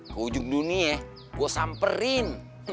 ke ujung dunia gue samperin